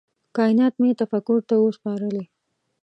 کائینات مي تفکر ته وه سپارلي